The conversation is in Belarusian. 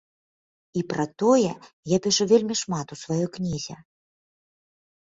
І пра тое я пішу вельмі шмат у сваёй кнізе.